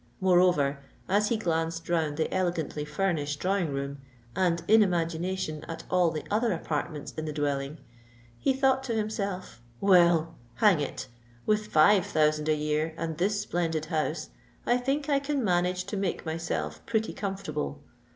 Moreover, as he glanced round the elegantly furnished drawing room, and in imagination at all the other apartments in the dwelling, he thought to himself, "Well, hang it! with five thousand a year and this splendid house, I think I can manage to make myself pretty comfortable.